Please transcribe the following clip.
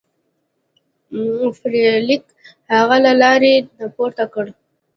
فلیریک هغه له لارې نه پورته کړ.